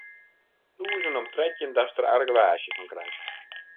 Tûzen om trettjin datst der argewaasje fan krijst.